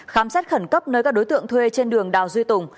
khám xét khẩn cấp nơi các đối tượng thuê trên đường đào duy tùng